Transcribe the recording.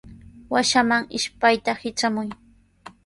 Washaman ishpayta hitramuy.